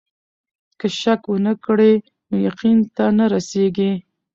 که شک ونه کړې نو يقين ته نه رسېږې.